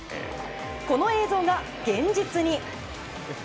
この映像が現実に。